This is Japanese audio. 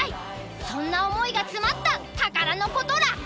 そんな思いが詰まった宝のことラッカ。